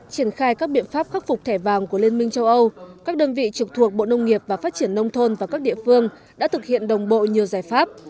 triển khai các biện pháp khắc phục thẻ vàng của liên minh châu âu các đơn vị trực thuộc bộ nông nghiệp và phát triển nông thôn và các địa phương đã thực hiện đồng bộ nhiều giải pháp